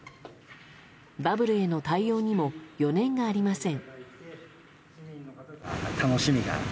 バブルへの対応にも余念がありません。